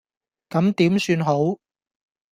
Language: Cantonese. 咁點算好